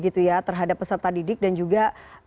terhadap peserta didik dan juga